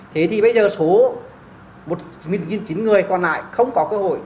thế thì bây giờ số một chín trăm linh người còn lại không có cơ hội